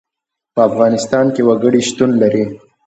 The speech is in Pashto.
په افغانستان کې وګړي شتون لري.